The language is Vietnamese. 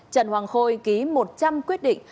trần hoàng khôi ký một trăm linh quyết định